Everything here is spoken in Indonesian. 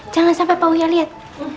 jangan sampai pak wiyah lihat